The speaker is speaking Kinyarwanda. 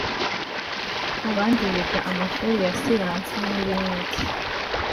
abandi biga amashuri ya siyansi n’ibindi